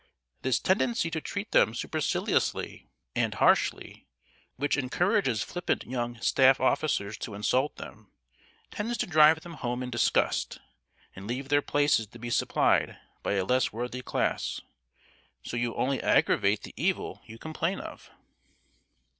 This tendency to treat them superciliously and harshly, which encourages flippant young staff officers to insult them, tends to drive them home in disgust, and leave their places to be supplied by a less worthy class; so you only aggravate the evil you complain of."